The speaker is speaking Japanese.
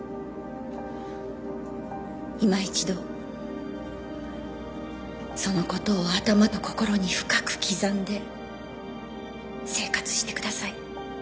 いま一度そのことを頭と心に深く刻んで生活してください。